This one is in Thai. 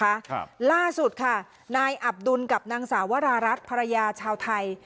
ครับล่าสุดค่ะนายอับดุลกับนางสาวรารัฐภรรยาชาวไทย